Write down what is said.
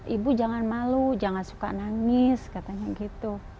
ibu jangan malu jangan suka nangis katanya gitu